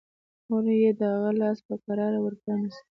مور يې د هغه لاس په کراره ور پرانيست.